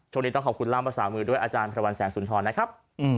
ช่วงนี้ต้องขอบคุณล่ามภาษามือด้วยอาจารย์พระวันแสงสุนทรนะครับ